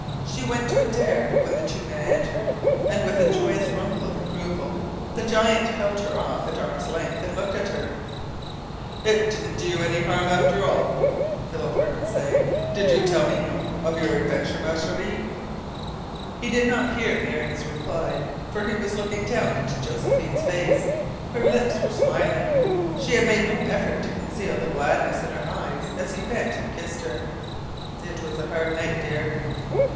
She went to Adare when the two men entered, and with a joyous rumble of approval the giant held her off at arm's length and looked at her. "It didn't do you any harm after all," Philip heard him say. "Did you tell Mignonne of your adventure, Ma Cheri?" He did not hear Miriam's reply, for he was looking down into Josephine's face. Her lips were smiling. She made no effort to conceal the gladness in her eyes as he bent and kissed her. "It was a hard night, dear."